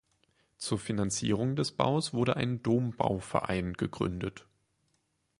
Zur Finanzierung des Baus wurde ein Dombauverein gegründet.